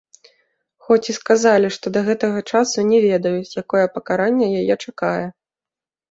Хоць і сказалі, што да гэтага часу не ведаюць, якое пакаранне яе чакае.